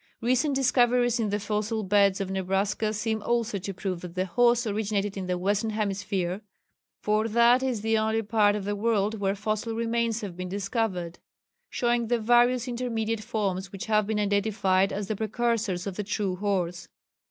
Recent discoveries in the fossil beds of Nebraska seem also to prove that the horse originated in the Western Hemisphere, for that is the only part of the world where fossil remains have been discovered, showing the various intermediate forms which have been identified as the precursors of the true horse.